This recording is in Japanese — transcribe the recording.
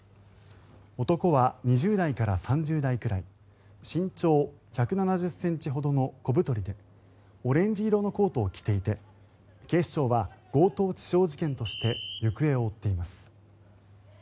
男は２０代から３０代くらい身長１７０ｃｍほどの小太りでオレンジ色のコートを着ていて警視庁は強盗致傷事件として行方を追っています。